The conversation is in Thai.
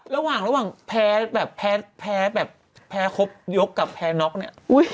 ระหว่างแพ้แบบแพ้แพ้แพ้ครบยกกับแพ้น็อกเนี่ย